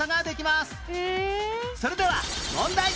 それでは問題